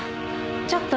ちょっと。